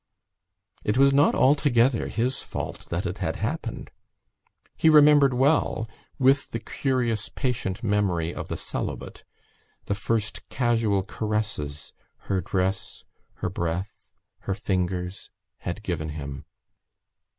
It was not altogether his fault that it had happened. He remembered well, with the curious patient memory of the celibate, the first casual caresses her dress, her breath, her fingers had given him.